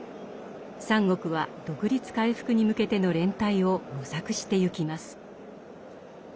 三国は独立回復に向けての連帯を模索してゆきます。